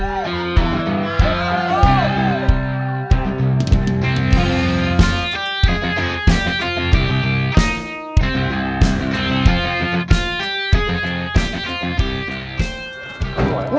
ini dia yang menariknya